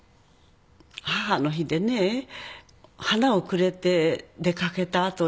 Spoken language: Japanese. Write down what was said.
母の日でね花をくれて出掛けた後に。